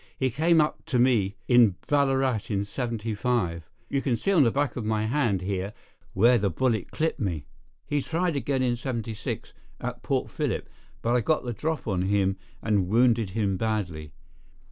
He came up to me in Ballarat in '75; you can see on the back of my hand here where the bullet clipped me. He tried again in '76, at Port Philip, but I got the drop on him and wounded him badly.